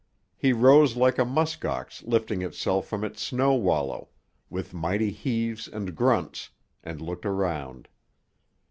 He rose like a musk ox lifting itself from its snow wallow, with mighty heaves and grunts, and looked around.